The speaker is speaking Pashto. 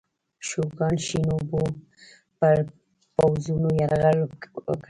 شوګان شینوبو پر پوځونو یرغل وکړ.